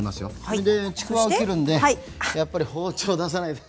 それでちくわを切るんでやっぱり包丁を出さないと。